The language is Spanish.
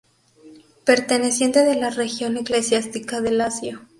Perteneciente de la región eclesiástica de Lacio.